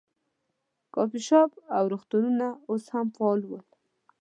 کافې شاپ او روغتونونه اوس هم فعال ول.